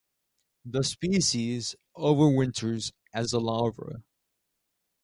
The species overwinters as a larva.